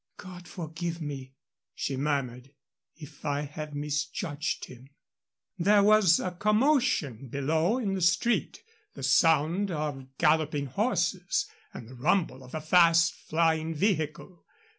"God forgive me," she murmured, "if I have misjudged him!" There was a commotion below in the street the sound of galloping horses and the rumble of a fast flying vehicle.